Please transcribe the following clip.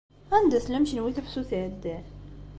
Anda tellam kenwi tafsut iɛeddan?